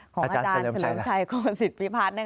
ของอาจารย์เฉลิมชัยโคศิษฐพิพัฒน์